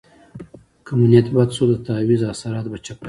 که مو نیت بد شو د تعویض اثرات به چپه شي.